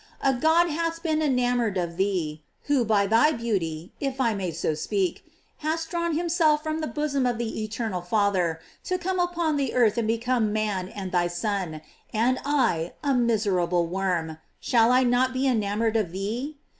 A God hath been enamored of thee, who, by thy beauty, if I may so speak, hast drawn him from the bo som of the eternal Father, to come upon the earth and become man and thy Son; and I, a miserable worm, shall I not be enamored of thee?